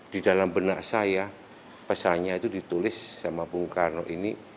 di dalam benak saya pesannya itu ditulis sama bung karno ini